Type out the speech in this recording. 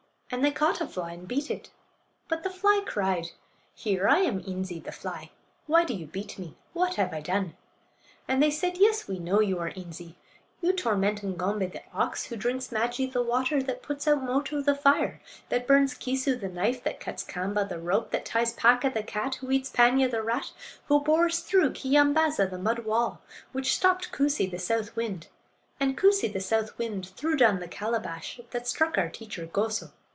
And they caught a fly and beat it. But the fly cried: "Here! I am Een'zee, the fly. Why do you beat me? What have I done?" And they said: "Yes, we know you are Eenzee; you torment Ng'ombay, the ox; who drinks Maajee, the water; that puts out Moto, the fire; that burns Keesoo, the knife; that cuts Kaamba, the rope; that ties Paaka, the cat; who eats Paanya, the rat; who bores through Keeyambaaza, the mud wall; which stopped Koosee, the south wind; and Koosee, the south wind, threw down the calabash that struck our teacher Goso.